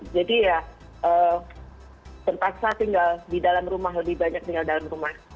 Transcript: jadi ya terpaksa tinggal di dalam rumah lebih banyak tinggal di dalam rumah